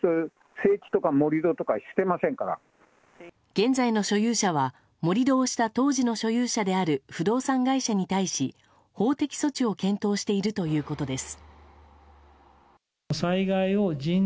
現在の所有者は盛り土をした当時の所有者である不動産会社に対し法的措置を検討しているということです。